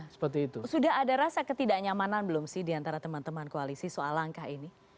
sudah ada rasa ketidaknyamanan belum sih diantara teman teman koalisi soal langkah ini